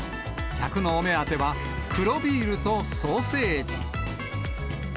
客のお目当ては、黒ビールとソーセージ。